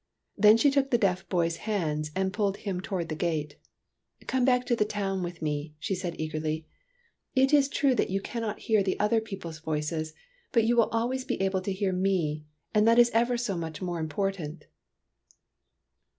Then she took the deaf boy's hands and pulled him towards the gate. " Come back to the town with me," she said eagerly. " It is true that 112 TEARS OF PRINCESS PRUNELLA you cannot hear the other people's voices ; but you will always be able to hear me, and that is ever so much more important